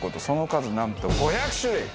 その数なんと５００種類！